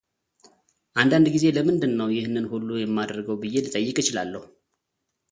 አንዳንድ ጊዜ ለምንድን ነው ይህንን ሁሉ የማደርገው ብዬ ልጠይቅ እችላለሁ።